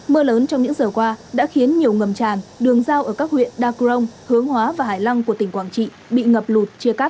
mưa lớn trong những giờ qua đã khiến nhiều ngầm tràn đường giao ở các huyện đa crong hướng hóa và hải lăng của tỉnh quảng trị bị ngập lụt chia cắt